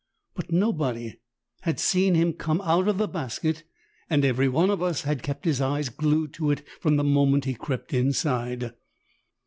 But nobody had seen him come out of the basket, and every one of us had kept his eyes glued to it from the moment he crept inside.